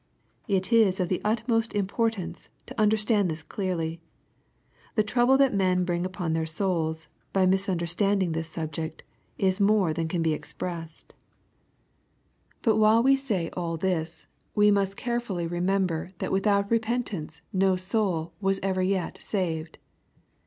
It is of the utmost importance to understand this clearly. The trouble that men bring upon their souls, by misunderstanding tbii dubject, is more than can be expressed. LUKB, CHAP. UI. 87 But while we say all this, we must carefully remem ber that without repentance no soul was ever yet saved.